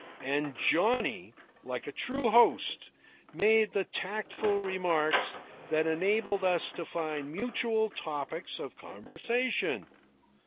And Johnny, like a true host, made the tactful remarks that enabled us to find mutual topics of conversation.